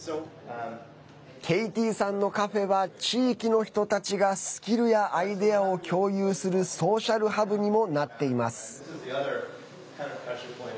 ケイティさんのカフェは地域の人たちがスキルやアイデアを共有するソーシャルハブにもなっています。